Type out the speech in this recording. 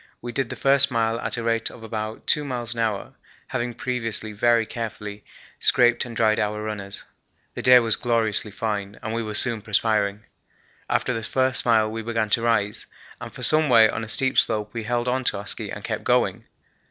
We did the first mile at a rate of about 2 miles an hour, having previously very carefully scraped and dried our runners. The day was gloriously fine and we were soon perspiring. After the first mile we began to rise, and for some way on a steep slope we held to our ski and kept going.